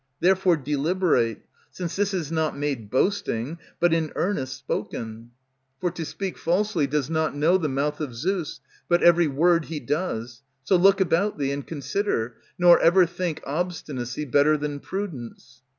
Therefore deliberate; since this is not made Boasting, but in earnest spoken; For to speak falsely does not know the mouth Of Zeus, but every word he does. So Look about thee, and consider, nor ever think Obstinacy better than prudence.